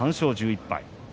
３勝１１敗です。